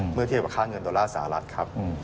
เมื่อเทียบกับค่าเงินดอลลาร์สหรัฐครับ